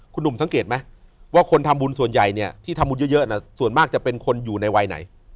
คุณหนุ่มสังเกตไหมว่าคนทำบุญส่วนใหญ่เนี่ยที่ทำบุญเยอะส่วนมากจะเป็นคนอยู่ในวัยไหน